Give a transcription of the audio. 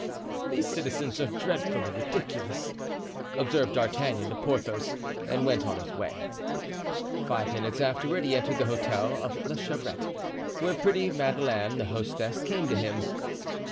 "These citizens are dreadfully ridiculous," observed D'Artagnan to Porthos and went on his way. Five minutes afterward he entered the hotel of La Chevrette, where pretty Madeleine, the hostess, came to him.